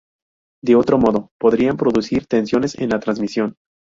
De otro modo, podrían producir tensiones en la transmisión.